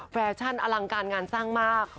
แฟชั่นอลังการงานสร้างมาก